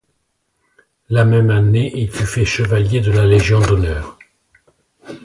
La même année, il fut fait chevalier de la Légion d'honneur.